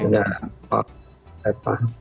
dengan pak redma